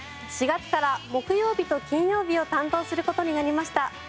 ４月から木曜日と金曜日を担当する事になりました。